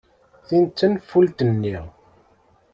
Tin d tanfult-nni.